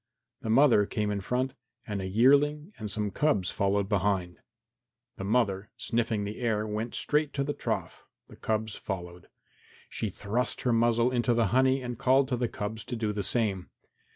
The mother came in front and a yearling and some cubs followed behind. The mother, sniffing the air, went straight to the trough, the cubs following. She thrust her muzzle into the honey and called to the cubs to do the same.